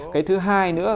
cái thứ hai nữa